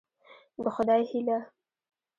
د خدای هيله